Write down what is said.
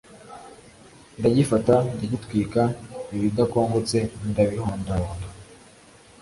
ndagifata, ndagitwika; ibidakongotse ndabihondahonda,